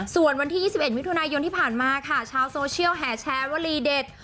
ส่วนวันที่๒๑มิถุนายนที่ผ่านมาค่ะชาวโซเชียลแห่แชร์วลีเด็ด